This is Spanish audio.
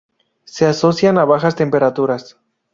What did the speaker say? Se asocian a bajas temperaturas.